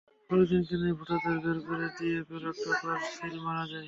পরে অনেক কেন্দ্রেই ভোটারদের বের করে দিয়ে ব্যালট পেপারে সিল মারা হয়।